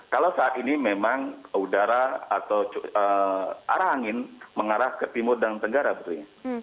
kalau saat ini memang udara atau arah angin mengarah ke timur dan tenggara putri